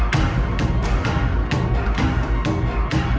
pake bahan semua